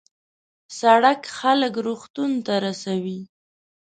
سړک خلک روغتون ته رسوي.